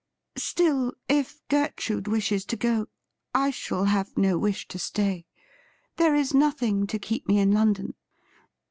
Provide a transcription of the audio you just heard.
Still, if Gertrude wishes to go, I shall have no wish to stay. There is nothing to keep me in London.'